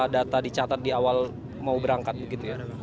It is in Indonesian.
data dicatat di awal mau berangkat begitu ya